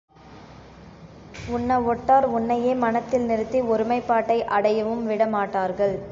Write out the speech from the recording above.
உன்னவொட்டார் உன்னையே மனத்தில் நிறுத்தி ஒருமைப்பாட்டை அடையவும்விட மாட்டார்கள்.